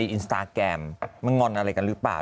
อินสตาแกรมมันงอนอะไรกันหรือเปล่า